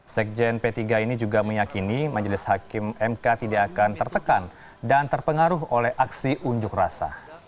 sekjen p tiga ini juga meyakini majelis hakim mk tidak akan tertekan dan terpengaruh oleh aksi unjuk rasa